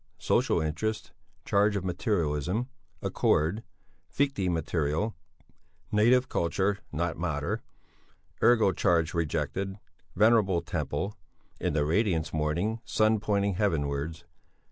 Social Interests. Charge of materialism. Accord. Fichte material, Native Culture not mater. Ergo charge rejected. Venerable temple. In the radiance morning sun pointing heavenwards.